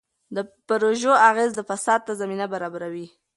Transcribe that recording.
د پروژو اغېز د فساد زمینه برابروي.